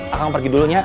akang pergi dulu ya